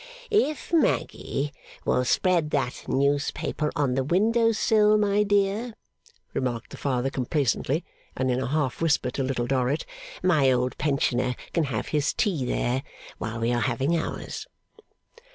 'If Maggy will spread that newspaper on the window sill, my dear,' remarked the Father complacently and in a half whisper to Little Dorrit, 'my old pensioner can have his tea there, while we are having ours.